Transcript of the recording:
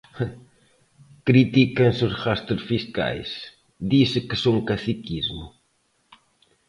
Critícanse os gastos fiscais, dise que son caciquismo.